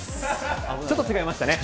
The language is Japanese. ちょっと違いましたね。